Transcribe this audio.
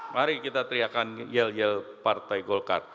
mari kita teriakan yel yel partai golkar